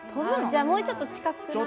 じゃあもうちょっと近くなれば。